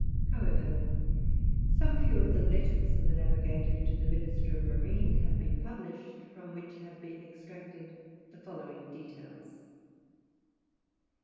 However, some few of the letters of the navigator to the Minister of Marine have been published, from which have been extracted the following details.